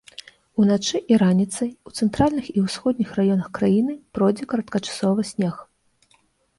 Уначы і раніцай у цэнтральных і ўсходніх раёнах краіны пройдзе кароткачасовы снег.